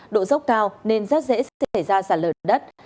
độ dốc cao nên rất dễ sẽ thể ra sạt lở đất